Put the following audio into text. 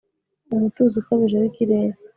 Umutuzo ukabije wikirere